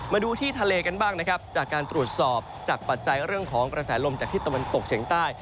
มาดูที่ทะเลกันบ้างนะครับจากการตรวจสอบจากปัจจัยเรื่องของกระแสลมจากที่ตะวันตกเฉียงใต้